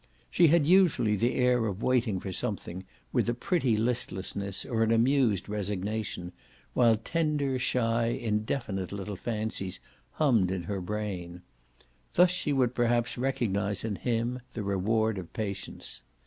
She had usually the air of waiting for something, with a pretty listlessness or an amused resignation, while tender shy indefinite little fancies hummed in her brain. Thus she would perhaps recognise in him the reward of patience.